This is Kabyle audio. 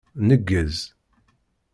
Nneggez.